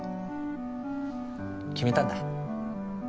決めたんだ。